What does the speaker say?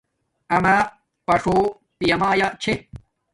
آما پݽو پیا مایا چھے